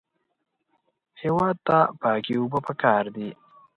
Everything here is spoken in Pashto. هېواد ته پاکې اوبه پکار دي